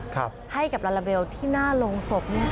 ครับให้กับลาลาเบลที่หน้าโรงศพเนี่ยค่ะ